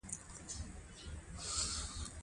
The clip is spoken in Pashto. هر څوک بايد خپل مسؤليت ادا کړي .